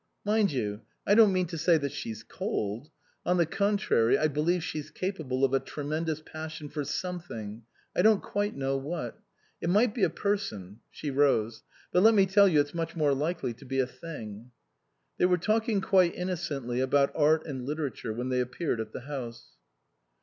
" Mind you, I don't mean to say that she's cold. On the contrary, I believe she's capable of a tremendous passion for something I don't quite know what. It might be a person," she rose " but let me tell you it's much more likely to be a thing." They were talking quite innocently about art and literature when they appeared at the house.